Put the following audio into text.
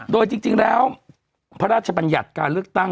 โดยจริงแล้วพระราชบัญญัติการเลือกตั้ง